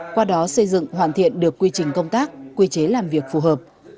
qua đó xây dựng hoàn thiện được quy trình công tác quy chế làm việc phù hợp